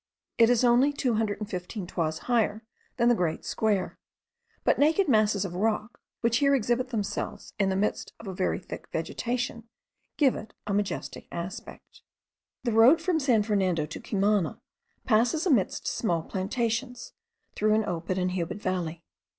It is only 215 toises higher than the great square; but naked masses of rock, which here exhibit themselves in the midst of a thick vegetation, give it a very majestic aspect. The road from San Fernando to Cumana passes amidst small plantations, through an open and humid valley.